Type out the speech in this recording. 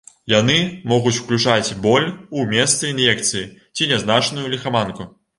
Яны могуць уключаць боль у месцы ін'екцыі ці нязначную ліхаманку.